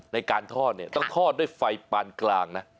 ในการทอดเนี่ยต้องทอดด้วยไฟปานกลางนะ